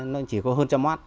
nó chỉ có hơn trăm watt